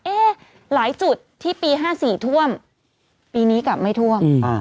เอ๊ะหลายจุดที่ปีห้าสี่ท่วมปีนี้กลับไม่ท่วมอืมอ่า